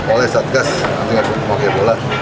oleh saat kas anti mafia bola